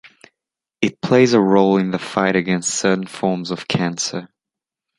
It plays a role in the fight against certain forms of cancer.